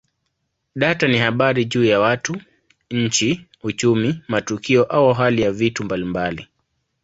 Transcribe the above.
Data ni habari juu ya watu, nchi, uchumi, matukio au hali ya vitu mbalimbali.